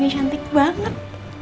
nu ini cantik banget